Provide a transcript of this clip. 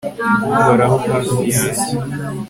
uhora hafi yanjye